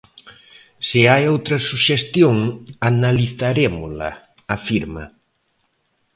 "Se hai outra suxestión, analizarémola", afirma.